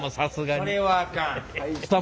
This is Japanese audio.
それはあかん。